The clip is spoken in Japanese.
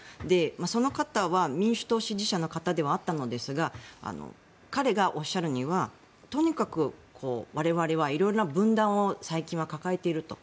その方は民主党支持者の方ではあったのですが彼がおっしゃるにはとにかく我々は色々な分断を最近は抱えていると。